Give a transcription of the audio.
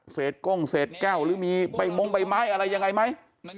เศษก้งเศษแก้วหรือมีบ่ายโมงบ่ายไม้อะไรยังไงมั้ย